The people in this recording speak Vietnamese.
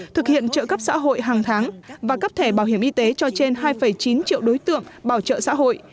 thực hiện trợ cấp xã hội hàng tháng và cấp thẻ bảo hiểm y tế cho trên hai chín triệu đối tượng bảo trợ xã hội